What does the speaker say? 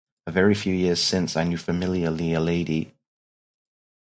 A very few years since, I knew familiarly a lady